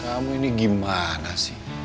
kamu ini gimana sih